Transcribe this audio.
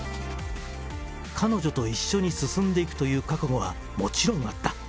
彼女と一緒に進んでいくという覚悟はもちろんあった。